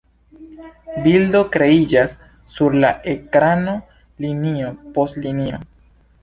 Bildo kreiĝas sur la ekrano linio post linio.